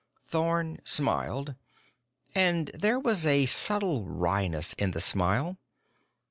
Thorn smiled, and there was a subtle wryness in the smile.